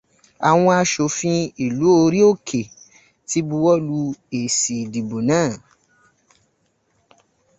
Àwọn aṣòfin ìlú orí òkè ti buwọ́lu èsì ìdìbò náà